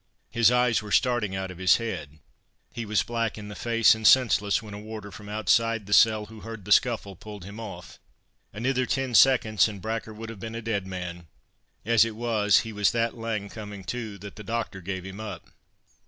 His eyes were starting out of his head—he was black in the face and senseless, when a warder from outside the cell who heard the scuffle, pulled him off. Anither ten seconds, and Bracker would have been a dead man—as it was, he was that lang coming to, that the doctor gave him up."